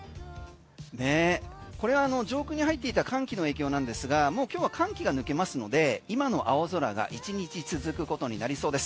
これは上空に入っていた寒気の影響なんですがもう今日は寒気が抜けますので今の青空が１日続くことになりそうです。